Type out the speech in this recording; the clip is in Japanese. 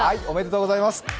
おめでとうございます。